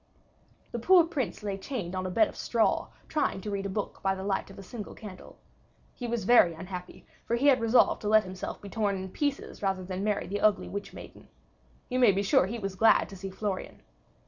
The poor Prince lay chained on a bed of straw, trying to read a book by the light of a single candle. He was very unhappy, for he had resolved to let himself be torn in pieces rather than marry the ugly witch maiden. You may be sure he was glad to see Florian.